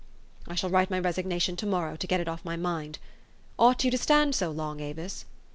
I shall write my resignation to morrow, and get it off my mind. Ought you to stand so long, Avis?